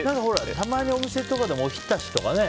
ただ、たまにお店とかでもおひたしとかね。